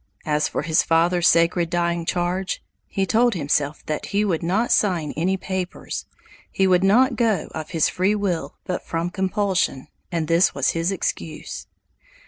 As for his father's sacred dying charge, he told himself that he would not sign any papers, he would not go of his free will but from compulsion, and this was his excuse.